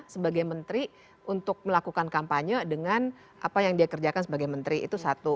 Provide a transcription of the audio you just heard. sebagai menteri untuk melakukan kampanye dengan apa yang dia kerjakan sebagai menteri itu satu